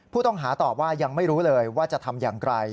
ผู้ต้องหาตอบว่ายังไม่รู้เลยว่าจะทำอย่างไร